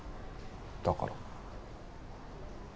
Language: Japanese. だから。